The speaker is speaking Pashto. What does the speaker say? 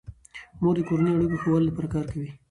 مور د کورنیو اړیکو ښه والي لپاره کار کوي.